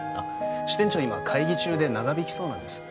支店長今会議中で長引きそうなんです